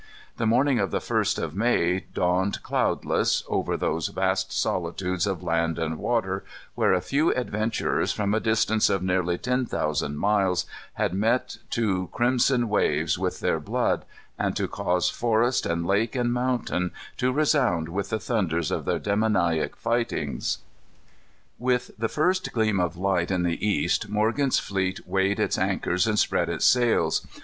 The morning of the first of May dawned cloudless, over those vast solitudes of land and water, where a few adventurers from a distance of nearly ten thousand miles had met to crimson the waves with their blood, and to cause forest and lake and mountain to resound with the thunders of their demoniac fightings. With the first gleam of light in the east, Morgan's fleet weighed its anchors and spread its sails.